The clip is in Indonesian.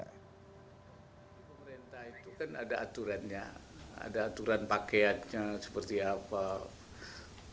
pemerintah itu kan ada aturannya ada aturan pakaiannya seperti apa